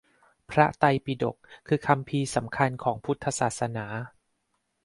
พระไตรปิฎก คือคัมภีร์สำคัญของพุทธศาสนา